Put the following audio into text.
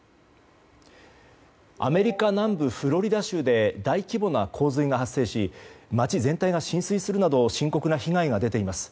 アメリカ南部フロリダ州で大規模な洪水が発生し街全体が浸水するなど深刻な被害が出ています。